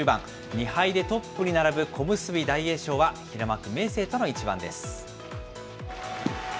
２敗でトップに並ぶ小結・大栄翔は、平幕・明生との一番です。